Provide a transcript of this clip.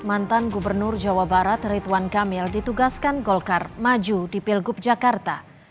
mantan gubernur jawa barat rituan kamil ditugaskan golkar maju di pilgub jakarta